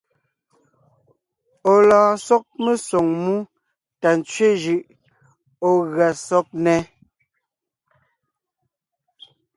Ɔ̀ lɔɔn sɔg mesoŋ mú tà ntsẅé jʉʼ ɔ̀ gʉa sɔg nnɛ́.